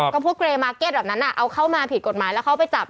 ก็พวกเกรมาร์เก็ตแบบนั้นเอาเข้ามาผิดกฎหมายแล้วเข้าไปจับ